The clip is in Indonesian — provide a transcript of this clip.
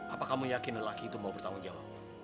apa kamu yakin laki itu mau bertanggung jawab